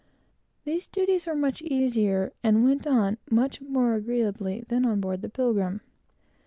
These duties were much easier, and went on much more agreeably, than on board the Pilgrim.